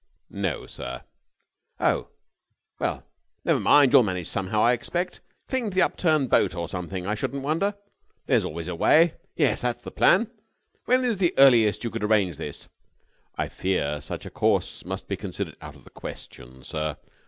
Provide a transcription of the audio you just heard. "No, sir." "Oh? Well, never mind. You'll manage somehow, I expect. Cling to the upturned boat or something, I shouldn't wonder. There's always a way. Yes, that's the plan. When is the earliest you could arrange this?" "I fear such a course must be considered out of the question, sir.